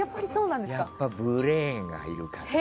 やっぱ、ブレーンがいるからさ。